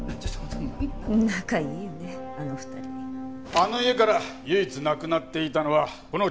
あの家から唯一なくなっていたのがこの茶碗。